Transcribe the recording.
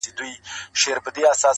خلک د ازادۍ مجسمې په اړه خبري کوي ډېر